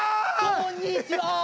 こんにちは！